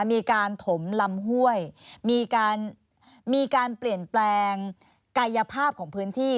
มีการถมลำห้วยมีการมีการเปลี่ยนแปลงกายภาพของพื้นที่